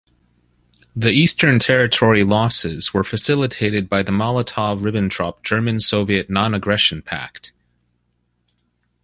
The eastern territory losses were facilitated by the Molotov-Ribbentrop German-Soviet non-aggression pact.